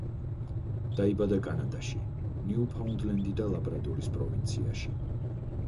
დაიბადა კანადაში, ნიუფაუნდლენდი და ლაბრადორის პროვინციაში.